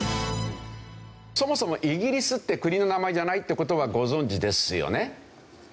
そもそもイギリスって国の名前じゃないって事はご存じですよね？